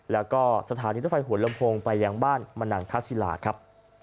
แล้วก็สถานีรถไฟหัวลำโพงไปยังบ้านมนังคศิลาครับ